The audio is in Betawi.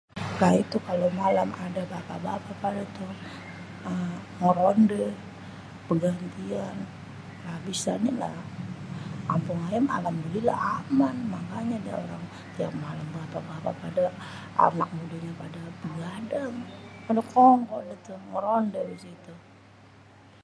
lha itu kalo malem ada bapak-bapak pada tuh uhm ngerondé.. bégentian.. abisannya lah kampung ayé alhamdulillah mah aman.. makanya ada orang tiap malem bapak-bapak pada anak mudanya pada bégadang.. pada kongkow dah tu ngérondé di situ..